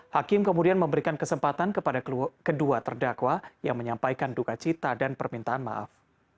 hakim kemudian memberikan kesempatan kepada kedua terdakwa yang menyampaikan duka cita dan permintaan maaf